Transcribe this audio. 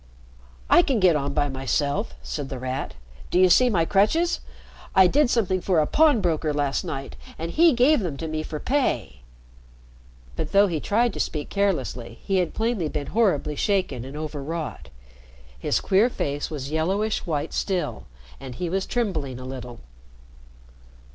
"I can get on by myself," said The Rat. "Do you see my crutches? I did something for a pawnbroker last night, and he gave them to me for pay." But though he tried to speak carelessly, he had plainly been horribly shaken and overwrought. His queer face was yellowish white still, and he was trembling a little.